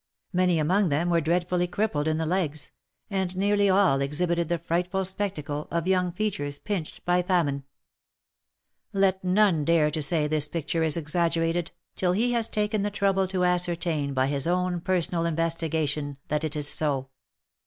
Many among them were dreadfully crippled in the legs, and nearly all exhibited the frightful spectacle of young features pinched by famine. Let none dare to say this picture is exaggerated, till he has taken the trouble to ascertain by his own personal investigation, that it is so.